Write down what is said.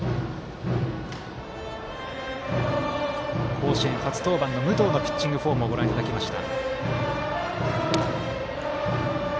甲子園初登板の武藤のピッチングフォームをご覧いただきました。